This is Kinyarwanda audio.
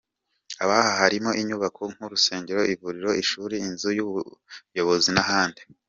Aha harimo inyubako nk’urusengero, ivuriro, ishuri, inzu y’ubuyobozi n’ahandi.